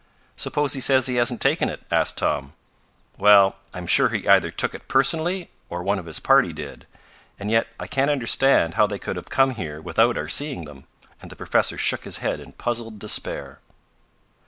"Suppose he says he hasn't taken it?" asked Tom. "Well, I'm sure he either took it personally, or one of his party did. And yet I can't understand how they could have come here without our seeing them," and the professor shook his head in puzzled despair.